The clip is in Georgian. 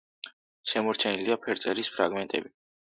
შემორჩენილია ფერწერის ფრაგმენტები.